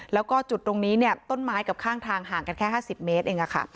แล้วก็จุดตรงนี้เนี้ยต้นไม้กับข้างทางห่างกันแค่ห้าสิบเมตรเองอ่ะค่ะ